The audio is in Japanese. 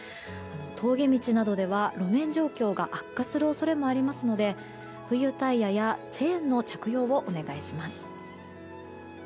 通り道などでは路面状況が悪化する可能性もありますので冬タイヤやチェーンの着用をお願いします。